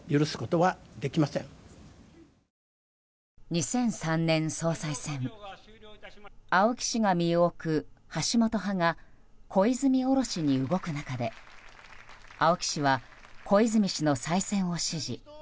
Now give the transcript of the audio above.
２００３年総裁選青木氏が身を置く橋本派が小泉下ろしに動く中で青木氏は小泉氏の再選を支持。